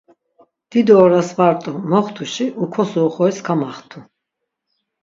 Dido oras va rt̆u, moxtuşi ukosu oxoris kamaxtu.